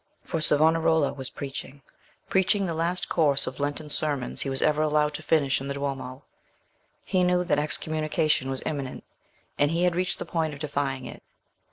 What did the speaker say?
For Savonarola was preaching—preaching the last course of Lenten sermons he was ever allowed to finish in the Duomo: he knew that excommunication was imminent, and he had reached the point of defying it.